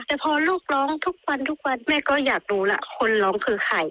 แต่พอลูกร้องทุกวันทุกวันแม่ก็อยากรู้ล่ะคนร้องคือใคร